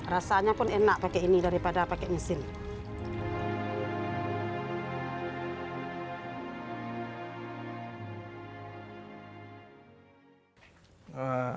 rasanya pun enak pakai ini daripada pakai mesin